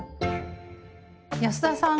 安田さん